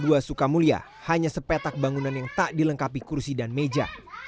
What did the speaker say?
sd negeri dua sukamulya hanya sepetak bangunan yang tak dilengkapi kursi dan meja